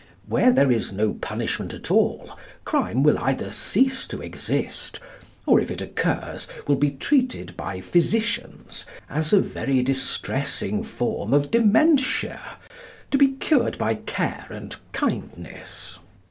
When there is no punishment at all, crime will either cease to exist, or, if it occurs, will be treated by physicians as a very distressing form of dementia, to be cured by care and kindness.